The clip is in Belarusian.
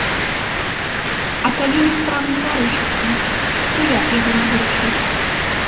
А калі легпрам не варушыцца, то як яго разварушыць?